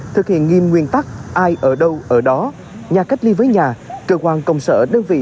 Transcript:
thực hiện nghiêm nguyên tắc ai ở đâu ở đó nhà cách ly với nhà cơ quan công sở đơn vị